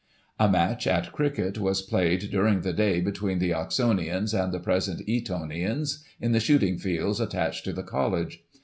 "A match at cricket was played during the day, between the Oxonians and the present Etonians, in the shooting fields attached to the College.